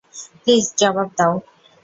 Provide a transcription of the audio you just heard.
Please জবাব দাও।